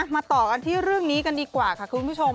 มาต่อกันที่เรื่องนี้กันดีกว่าค่ะคุณผู้ชม